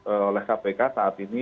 oleh kpk saat ini